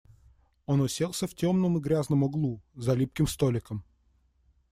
Он уселся в темном и грязном углу, за липким столиком.